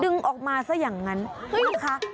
ดึงออกมาซะอย่างนั้นนะคะ